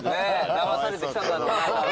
だまされてきたんだろうな。